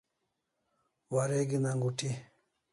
Wareg'in anguti